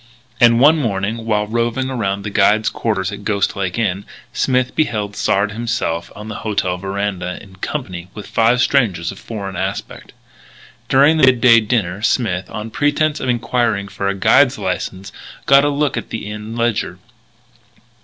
And one morning, while roving around the guide's quarters at Ghost Lake Inn, Smith beheld Sard himself on the hotel veranda, in company with five strangers of foreign aspect. During the midday dinner Smith, on pretense of enquiring for a guide's license, got a look at the Inn ledger.